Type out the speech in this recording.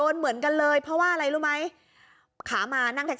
ใช่ค่ะ